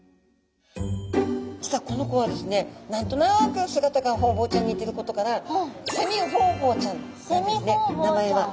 実はこの子はですね何となく姿がホウボウちゃんに似てることからセミホウボウちゃんなんですね名前は。